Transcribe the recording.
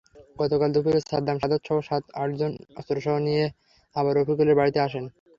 গতকাল দুপুরে সাদ্দাম, শাহদাতসহ সাত-আটজন অস্ত্রশস্ত্র নিয়ে আবার রফিকুলের বাড়িতে আসেন।